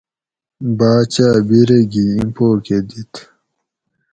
باچاۤ بِرے گھی ایں پو کہ دِیت